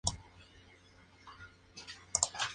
Hace amigos fácilmente.